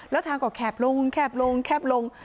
แล้วทางก่อแข็บลงแข็บลงแข็บลง